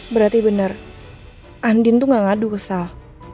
berarti bener andin tuh gak ngadu ke sal